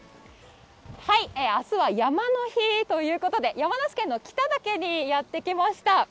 あすは山の日ということで、山梨県の北岳にやって来ました。